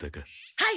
はい！